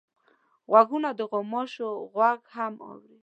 غوږونه د غوماشو غږ هم اوري